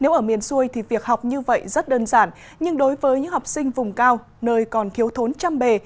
nếu ở miền xuôi thì việc học như vậy rất đơn giản nhưng đối với những học sinh vùng cao nơi còn thiếu thốn trăm bề